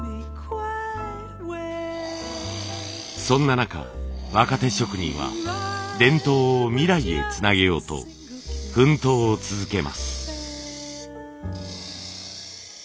そんな中若手職人は伝統を未来へつなげようと奮闘を続けます。